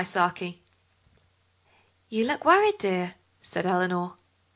FUR "You look worried, dear," said Eleanor.